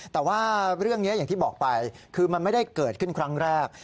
แต่ว่าเรื่องนี้อย่างที่บอกไปคือมันไม่ได้เกิดขึ้นครั้งแรก